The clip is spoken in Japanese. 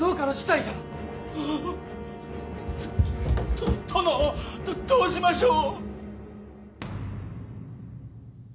と殿どうしましょう。